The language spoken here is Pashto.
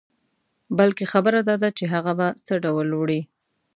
بلکې خبره داده چې هغه په څه ډول وړې.